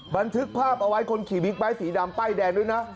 บันทึกภาพเอาไว้คนขี่บิ๊กไบท์สีดำป้ายแดงด้วยนะ